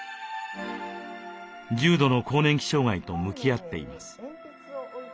重度の更年期障害と向き合っています。